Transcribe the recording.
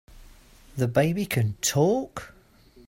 The baby can TALK!